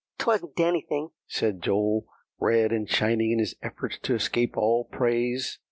"'Twasn't anything," said Joel, red and shining in his efforts to escape all praise.